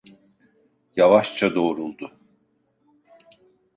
Yavaşça doğruldu.